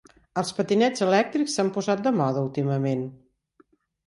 Els patinets elèctrics s'han posat de moda últimament.